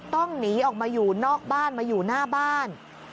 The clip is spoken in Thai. ต้องหนีออกมาอยู่นอกบ้านมาอยู่หน้าบ้าน